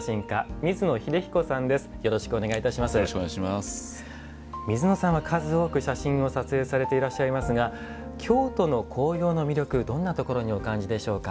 水野さんは、数多く写真を撮影されていらっしゃいますが京都の紅葉の魅力どんなところにお感じでしょうか。